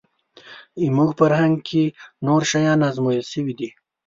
زموږ فرهنګ کې نور شیان ازمویل شوي دي